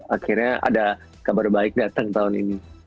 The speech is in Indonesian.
akhirnya ada kabar baik datang tahun ini